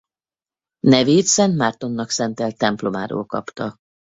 Nevét Szent Mártonnak szentelt templomáról kapta.